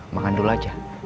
makan dulu aja